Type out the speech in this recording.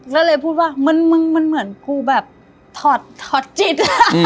แล้วเลยพูดว่ามันเหมือนกลัวแบบถอดจิต